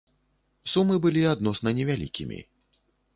Сумы былі адносна невялікімі.